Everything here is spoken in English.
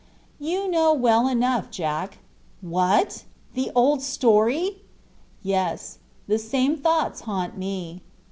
"You know well enough, Jack." "What? the old story?" "Yes, the same thoughts haunt me."